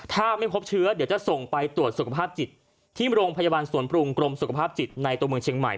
ถ้าไม่พบเชื้อเดี๋ยวจะส่งไปตรวจสุขภาพจิตที่โรงพยาบาลสวนปรุงกรมสุขภาพจิตในตัวเมืองเชียงใหม่